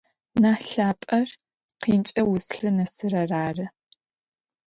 Нахь лъапӏэр къинкӏэ узлъынэсырэр ары.